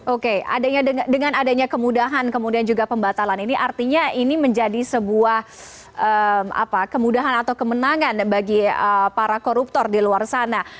oke dengan adanya kemudahan kemudian juga pembatalan ini artinya ini menjadi sebuah kemudahan atau kemenangan bagi para koruptor di luar sana